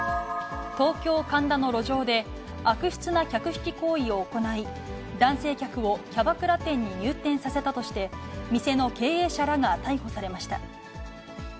東京・神田の路上で、悪質な客引き行為を行い、男性客をキャバクラ店に入店させたとして、店の経営者らが逮捕されました。